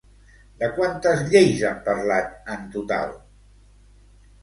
De quantes lleis han parlat, en total?